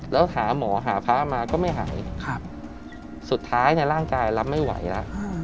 แล้วหาหมอหาพระมาก็ไม่หายสุดท้ายในร่างกายรับไม่ไหวแล้ว